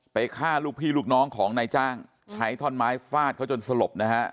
ฆ่าลูกพี่ลูกน้องของนายจ้างใช้ท่อนไม้ฟาดเขาจนสลบนะฮะ